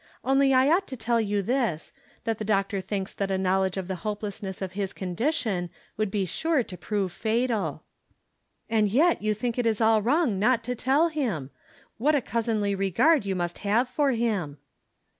Only I ought to tell you this : that the doc tor thinks that a knowledge of the hopelessness of his condition would be sure to prove fatal." " And yet you think it is all wrong not to tell him. What a cousinly regard you must have for him